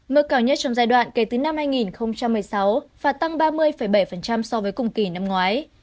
mức cao nhất trong giai đoạn kể từ năm hai nghìn một mươi sáu và tăng ba mươi bảy so với cùng kỳ năm ngoái